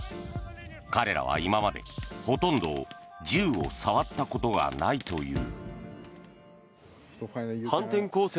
彼らは今までほとんど銃を触ったことがないという。